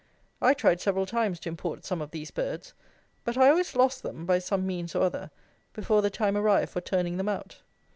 I tried several times to import some of these birds; but I always lost them, by some means or other, before the time arrived for turning them out.